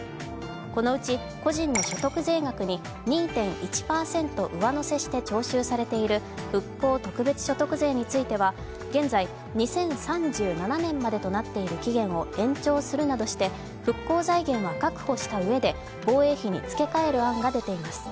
このうち個人の所得税額に２．１％上乗せして徴収されている復興特別所得税については、現在２０３７年までとなっている期限を延長するなどして復興財源は確保したうえで防衛費に付け替える案が出ています。